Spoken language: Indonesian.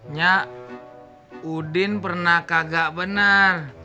nyak udin pernah kagak benar